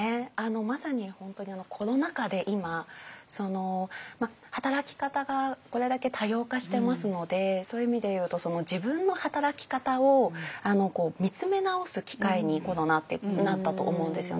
まさに本当にコロナ禍で今働き方がこれだけ多様化してますのでそういう意味でいうと自分の働き方を見つめ直す機会にコロナってなったと思うんですよね。